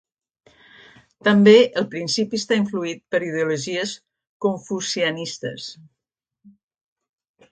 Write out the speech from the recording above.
També el principi està influït per ideologies confucianistes.